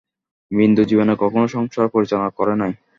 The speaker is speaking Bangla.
বিন্দু জীবনে কখনো সংসার পরিচালনা করে নাই।